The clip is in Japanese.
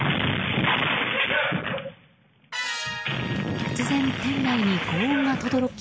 突然、店内に轟音がとどろき